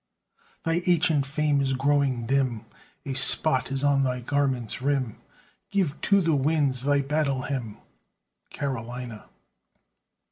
Thy ancient fame is growing dim, A spot is on thy garment's rim; Give to the winds thy battle hymn, Carolina!